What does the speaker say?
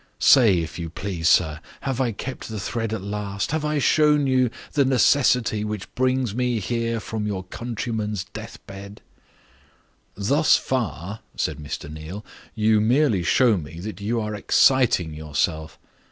Say, if you please, sir, have I kept the thread at last? Have I shown you the necessity which brings me here from your countryman's death bed?" "Thus far," said Mr. Neal, "you merely show me that you are exciting yourself.